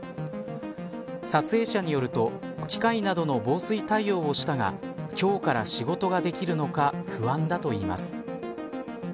撮影者によると機械などの防水対応をしたが今日から仕事ができるのか不安だといいます。